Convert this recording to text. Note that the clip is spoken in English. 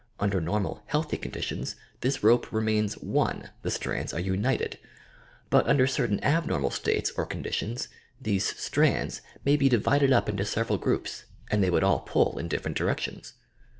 Under normal, healthy conditions, this rope remains otk; the strands are united ; but under certain abnormal states or conditions, these "strands" may be divided up into several groups, and they would all pull in different directions.